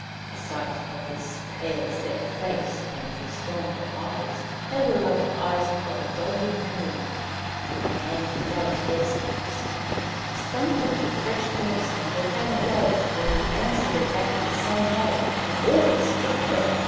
The sight of his pale set face, and his sombre eyes they were like the eyes of a dog in pain, when the hand he loves best has struck him stung her to fresh taunts, and there came a day when he answered her back in the same way, and all but struck her.